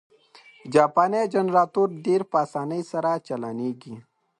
جاپانی جنرټور ډېر په اسانۍ سره چالانه کېږي.